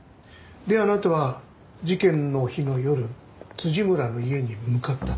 であなたは事件の日の夜村の家に向かった。